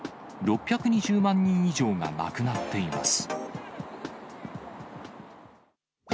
６２０万人以上が亡くなっています。